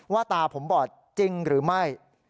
ตาผมบอดจริงหรือไม่